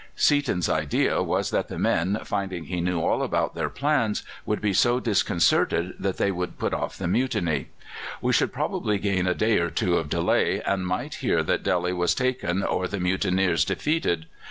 '" Seaton's idea was that the men, finding he knew all about their plans, would be so disconcerted that they would put off the mutiny; we should probably gain a day or two of delay, and might hear that Delhi was taken or the mutineers defeated.